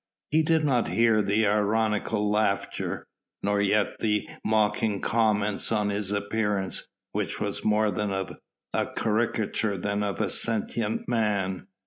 He did not hear the ironical laughter, nor yet the mocking comments on his appearance, which was more that of a caricature than of a sentient man.